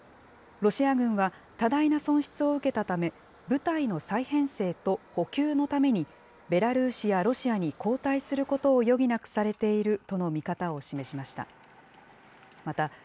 ロシア軍は多大な損失を受けたため、部隊の再編成と補給のために、ベラルーシやロシアに後退することを余儀なくされているとの見方を示しました。